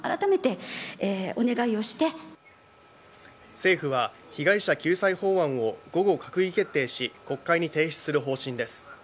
政府は被害者救済法案を午後、閣議決定し国会に提出する方針です。